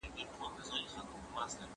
زما د «سلیم» د خواږه غږ انګازې